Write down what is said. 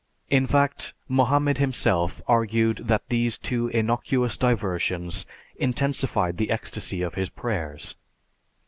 In fact, Mohammed, himself, argued that these two innocuous diversions intensified the ecstasy of his prayers.